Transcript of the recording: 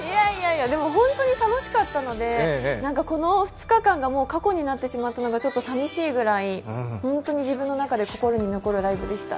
でもホントに楽しかったので、この２日間がもう過去になってしまったのがちょっとさみしいぐらい、本当に自分の中で心に残るライブでした。